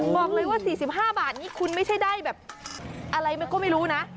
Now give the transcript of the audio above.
บอกเลยว่า๔๕บาทนี่คุณไม่ใช่ได้แบบอะไรมันก็ไม่รู้นะ